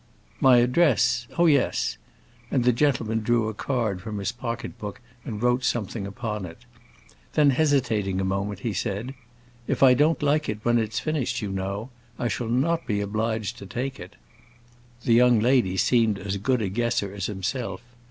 "My address? Oh yes!" And the gentleman drew a card from his pocket book and wrote something upon it. Then hesitating a moment he said, "If I don't like it when it it's finished, you know, I shall not be obliged to take it." The young lady seemed as good a guesser as himself.